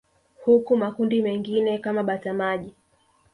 Huku makundi mengine kama bata maji